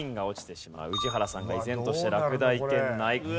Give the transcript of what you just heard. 宇治原さんが依然として落第圏内。